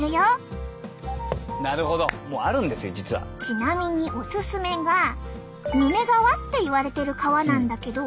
ちなみにオススメがヌメ革っていわれてる革なんだけど。